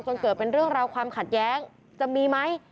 เกิดเป็นเรื่องราวความขัดแย้งจะมีไหม